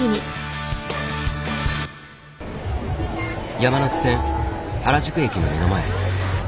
山手線原宿駅の目の前。